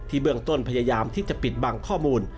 เบื้องต้นพยายามที่จะปิดบังข้อมูล